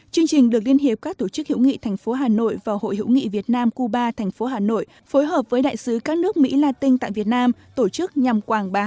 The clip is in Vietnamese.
chương trình được liên hiệp các tổ chức hữu nghị thành phố hà nội và hội hữu nghị việt nam cuba thành phố hà nội phối hợp với đại sứ các nước mỹ la tinh tại việt nam tổ chức nhằm quảng bá